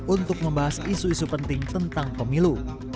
untuk membahas isu isu penting tentang pemilu